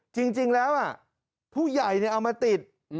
จริงแล้วผู้ใหญ่เอามาติด